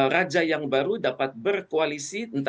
raja yang baru dapat berkoalisi